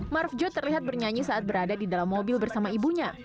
marvjo terlihat bernyanyi saat berada di dalam mobil bersama ibunya